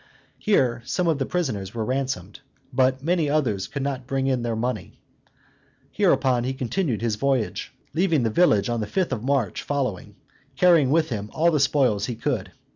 Here some of the prisoners were ransomed, but many others could not bring in their money. Hereupon he continued his voyage, leaving the village on the 5th of March following, carrying with him all the spoil he could.